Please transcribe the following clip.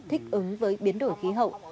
thích ứng với biến đổi khí hậu